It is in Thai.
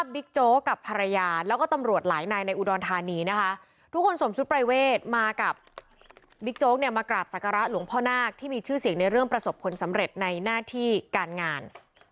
บิ๊กโจ๊กเนี่ยมากราบศักราชหลวงพ่อนาคที่มีชื่อเสียงในเรื่องประสบควรสำเร็จในหน้าที่การงาน